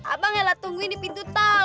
abang hela tungguin di pintu tol